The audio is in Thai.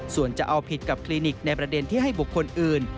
ส่วนจะเอาผิดกับคลินิกในประเด็นที่ให้บุคคลอื่น